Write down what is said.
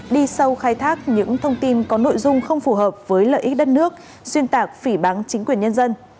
đi sâu khai thác những thông tin có nội dung không phù hợp với lợi ích đất nước xuyên tạc phỉ bắn chính quyền nhân dân